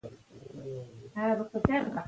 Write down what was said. ایا ته غواړې چې د تولستوی په څېر لیکوال شې؟